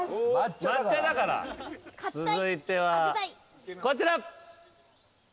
続いてはこちら。